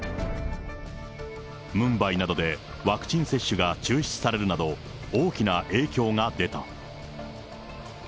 ムンバイなどでワクチン接種が中止されるなど、大きな影響が出た。